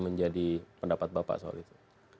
menjadi pendapat bapak soal itu